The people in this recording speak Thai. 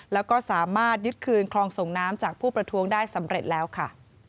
แล้วก็สามารถยึดคืนคลองส่งน้ำจากผู้ประท้วงได้สำเร็จแล้วค่ะ